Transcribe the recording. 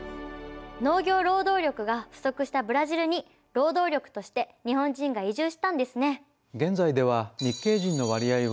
農業労働力が不足したブラジルに労働力として日本人が移住したんですね。